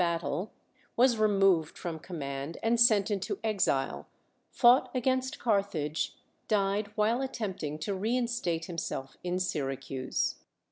battle, was removed from command and sent into exile; fought against Carthage; died while attempting to reinstate him self in Syracuse.